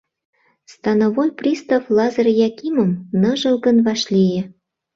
Становой пристав Лазыр Якимым ныжылгын вашлие.